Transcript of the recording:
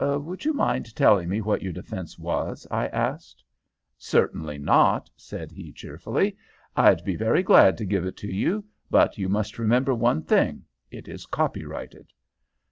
"Would you mind telling me what your defence was?" I asked. "Certainly not," said he, cheerfully. "I'd be very glad to give it to you. But you must remember one thing it is copyrighted."